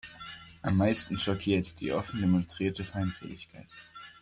Am meisten schockiert die offen demonstrierte Feindseligkeit.